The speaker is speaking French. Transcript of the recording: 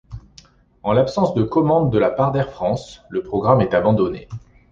En l’absence de commande de la part d’Air France, le programme est abandonné.